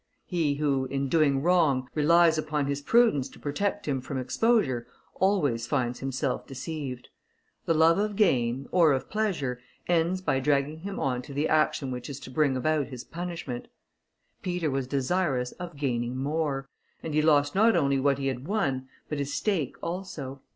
He who, in doing wrong, relies upon his prudence to protect him from exposure, always finds himself deceived; the love of gain, or of pleasure, ends by dragging him on to the action which is to bring about his punishment. Peter was desirous of gaining more, and he lost not only what he had won, but his stake also.